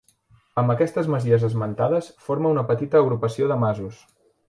Amb aquestes masies esmentades, forma una petita agrupació de masos.